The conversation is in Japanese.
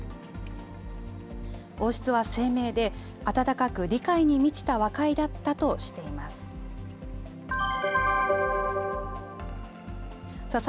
王室は声明で、温かく理解に満ちた和解だったとしています。